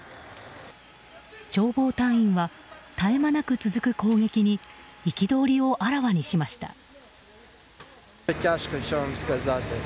消防隊員は絶え間なく続く攻撃に憤りをあらわにしました。